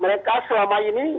mereka selama ini